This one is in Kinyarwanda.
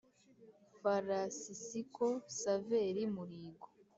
farasisiko saveri muligo